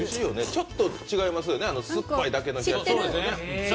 ちょっと違いますよね酸っぱいだけじゃなくて。